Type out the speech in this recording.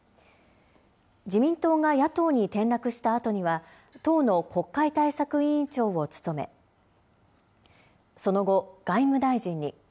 自民党が野党に転落したあとには、党の国会対策委員長を務め、その後、外務大臣に。